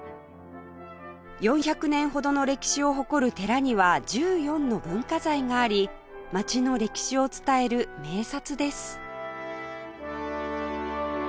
４００年ほどの歴史を誇る寺には１４の文化財があり街の歴史を伝える名刹です